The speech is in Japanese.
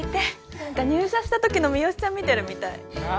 なんか入社した時の三好ちゃん見てるみたい。なあ。